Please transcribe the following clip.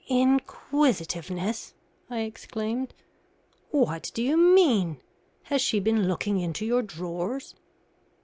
"Inquisitiveness!" I exclaimed. "What do you mean? Has she been looking into your drawers?"